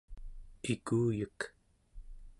ikuyek